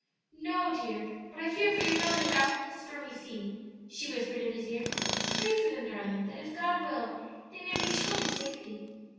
"No, dear; but I fear for your brothers out on this stormy sea," she whispered in his ear. "Pray for them, darling, that if God will, they may reach home in safety."